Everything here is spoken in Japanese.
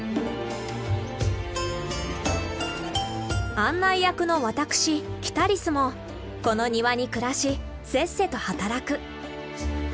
案内役の私キタリスもこの庭に暮らしせっせと働く。